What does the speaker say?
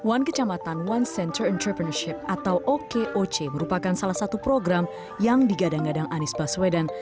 one kecamatan one center entrepreneurship atau okoc merupakan salah satu program yang digadang gadang anies baswedan